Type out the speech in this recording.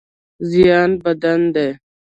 زیان بد دی.